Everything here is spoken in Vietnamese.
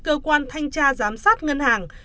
cơ quan thanh tra giám sát ngân hàng